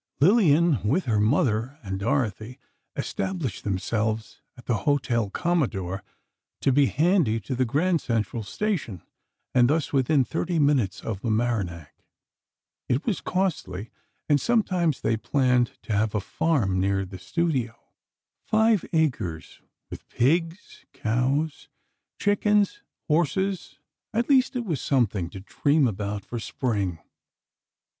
Lillian, with her mother and Dorothy, established themselves at the Hotel Commodore, to be handy to the Grand Central Station, and thus within thirty minutes of Mamaroneck. It was costly, and sometimes they planned to have a farm near the studio: "five acres, with pigs, cows, chickens, horses." At least, it was something to dream about, for Spring.